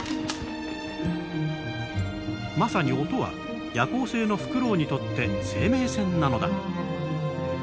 まさに音は夜行性のフクロウにとって生命線なのだ。